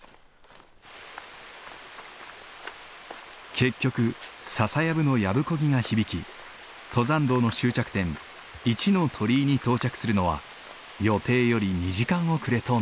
結局笹やぶのやぶこぎが響き登山道の終着点一の鳥居に到着するのは予定より２時間遅れとなった。